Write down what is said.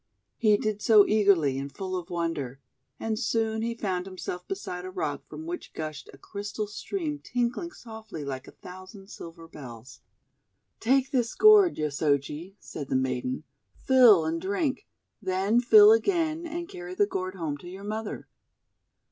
He did so eagerly and full of wonder; and soon he found himself beside a rock from which gushed a crystal stream tinkling softly like a thousand silver bells. "Take this gourd, Yosoji," said the maiden, "fill and drink. Then fill again, and carry the gourd home to your mother."